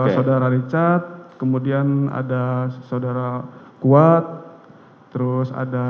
saudara richard kemudian ada saudara kuat terus ada